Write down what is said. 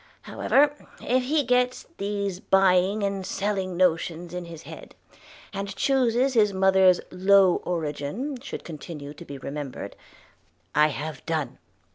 However, if he gets these buying and selling notions in his head, and chooses his mother's low origin should continue to be remembered, I have done.